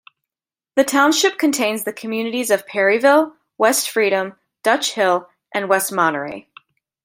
The township contains the communities of Perryville, West Freedom, Dutch Hill, and West Monterey.